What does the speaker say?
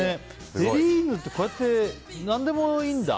テリーヌってこうやって何でもいいんだ。